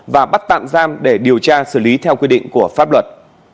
và bắt tạm giam để điều tra xử lý theo quy định của pháp luật